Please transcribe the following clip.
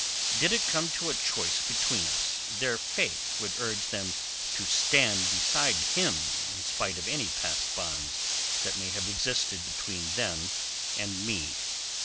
Did it come to a choice between us, their faith would urge them to stand beside him in spite of any past bonds that may have existed between them and me."